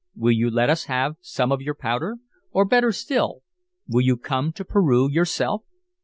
"Will you let us have some of your powder? Or, better still, will you come to Peru yourself?